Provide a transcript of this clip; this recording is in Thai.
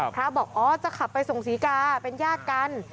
พระบอกอ๋อจะขับไปส่งศรีกาเป็นญาติกัน